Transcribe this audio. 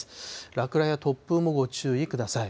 落雷や突風もご注意ください。